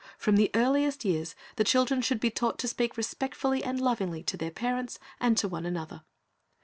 From the earliest years the children should be taught to speak respectfully and lovingly to their parents and to one another.